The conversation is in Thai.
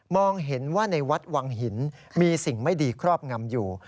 เห็นว่าในวัดวังหินมีสิ่งไม่ดีครอบงำอยู่